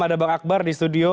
ada bang akbar di studio